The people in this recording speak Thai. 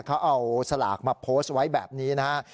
เขาเอาสลากมาโพสต์ไว้แบบนี้นะฮะ